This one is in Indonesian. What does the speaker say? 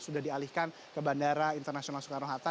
sudah dialihkan ke bandara internasional soekarno hatta